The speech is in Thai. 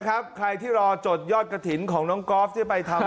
ใครที่รอจดยอดกระถิ่นของน้องกอล์ฟที่ไปทำ